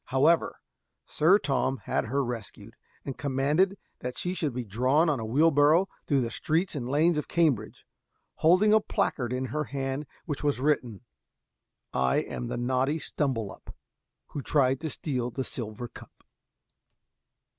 However, Sir Tom had her rescued, and commanded that she should be drawn on a wheelbarrow through the streets and lanes of Cambridge, holding a placard in her hand on which was written "I am the naughty Stumbelup, Who tried to steal the silver cup."